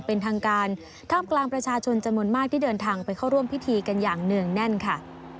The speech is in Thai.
เป็นทางการท่ามกลางประชาชนจำนวนมากที่เดินทางไปเข้าร่วมพิธีกันอย่างเนื่องแน่นค่ะ